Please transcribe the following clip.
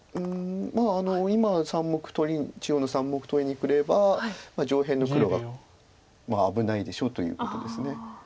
まあ今中央の３目取りにくれば上辺の黒が危ないでしょうということです。